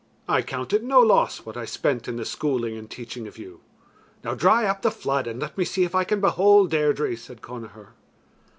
I count it no loss what I spent in the schooling and teaching of you. Now dry up the flood, and let me see if I can behold Deirdre," said Connachar.